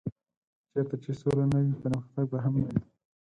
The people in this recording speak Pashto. چېرته چې سوله نه وي پرمختګ به هم نه وي.